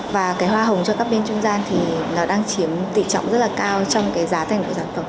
và cái hoa hồng cho các bên trung gian thì nó đang chiếm tỷ trọng rất là cao trong cái giá thành của sản phẩm